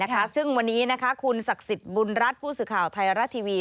ซึ่งวันนี้คุณศักดิ์สิทธิ์บุญรัฐผู้สื่อข่าวไทยรัฐทีวี